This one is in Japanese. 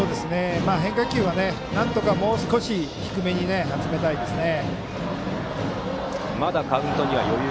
変化球はなんとかもう少し低めに集めたいですね。